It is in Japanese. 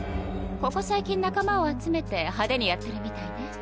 ここ最近仲間を集めて派手にやってるみたいね。